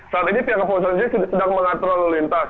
saat ini pihak kepolisian sendiri sedang mengatur lalu lintas